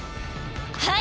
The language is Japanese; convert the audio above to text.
はい！